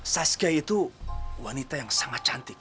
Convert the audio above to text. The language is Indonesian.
sasga itu wanita yang sangat cantik